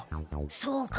そうか。